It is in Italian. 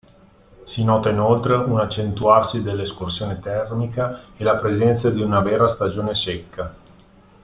Si nota inoltre un'accentuarsi dell'escursione termica e la presenza di una vera stagione secca.